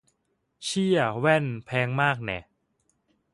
เชี่ย แว่น แพงมาก แน่ะ